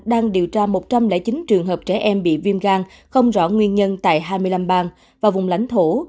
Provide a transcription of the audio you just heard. đang điều tra một trăm linh chín trường hợp trẻ em bị viêm gan không rõ nguyên nhân tại hai mươi năm bang và vùng lãnh thổ